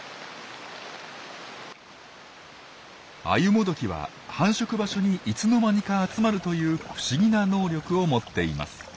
アユモドキは繁殖場所にいつの間にか集まるという不思議な能力を持っています。